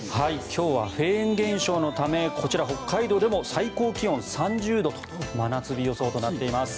今日はフェーン現象のためこちら、北海道でも最高気温３０度と真夏日予想となっています。